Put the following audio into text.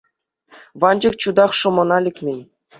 Ванчӑк чутах шӑмӑна лекмен.